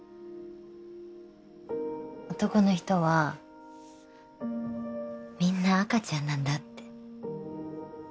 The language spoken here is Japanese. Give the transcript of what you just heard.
男の人はみんな赤ちゃんなんだって。